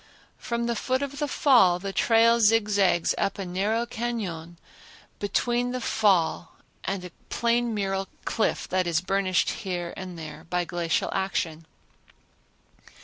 From the foot of the Fall the trail zigzags up a narrow cañon between the fall and a plain mural cliff that is burnished here and there by glacial action.